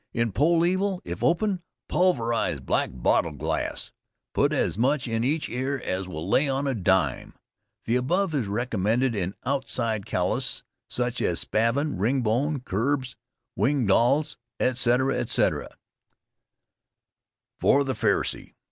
In poll evil, if open, pulverize black bottle glass, put as much in each ear as will lay on a dime. The above is recommended in outside callous, such as spavin, ringbone, curbs, windgalls, etc. etc. FOR THE FERSEY.